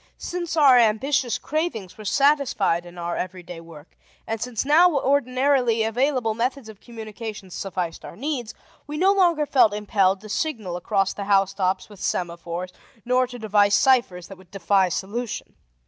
Since our ambitious cravings were satisfied in our everyday work, and since now ordinarily available methods of communication sufficed our needs, we no longer felt impelled to signal across the house tops with semaphores nor to devise ciphers that would defy solution.